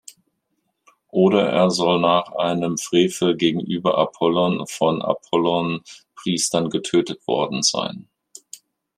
Oder er soll nach einem Frevel gegenüber Apollon von Apollon-Priestern getötet worden sein.